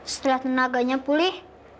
setelah tenaganya pulih